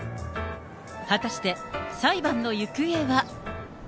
果たして、裁判の行方は。